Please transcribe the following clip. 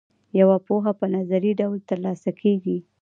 یوه پوهه په نظري ډول ترلاسه کیږي.